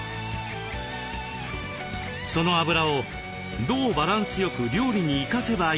そのあぶらをどうバランスよく料理に生かせばいいのか。